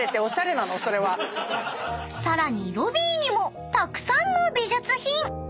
［さらにロビーにもたくさんの美術品］